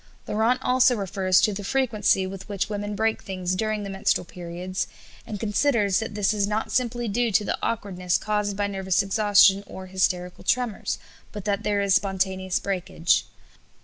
Laurent also refers to the frequency with which women break things during the menstrual periods, and considers that this is not simply due to the awkwardness caused by nervous exhaustion or hysterical tremors, but that there is spontaneous breakage.